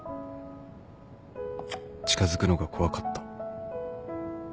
近づくのが怖かった